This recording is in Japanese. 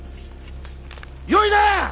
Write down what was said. よいな！